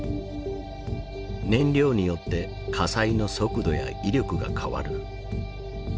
燃料によって火災の速度や威力が変わる。